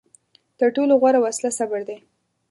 تر ټولو غوره وسله صبر دی.